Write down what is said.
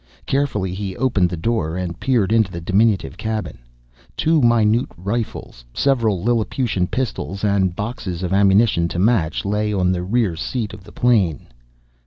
Carefully, he opened the door and peered into the diminutive cabin. Two minute rifles, several Lilliputian pistols, and boxes of ammunition to match, lay on the rear seat of the plane.